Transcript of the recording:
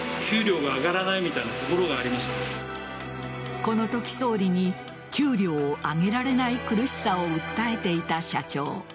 このとき、総理に給料を上げられない苦しさを訴えていた社長。